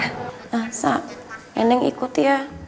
nah sa nenek ikut ya